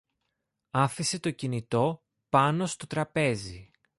Άφησε το κινητό πάνω στο τραπέζι